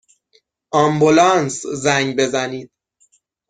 آمبولانس زنگ بزنید!